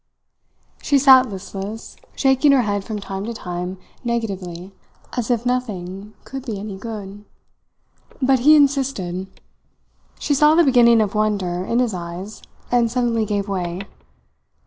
She sat listless, shaking her head from time to time negatively, as if nothing could be any good. But he insisted; she saw the beginning of wonder in his eyes, and suddenly gave way.